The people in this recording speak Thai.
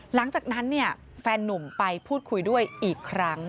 หลังจากนั้นเนี่ยแฟนนุ่มไปพูดคุยด้วยอีกครั้ง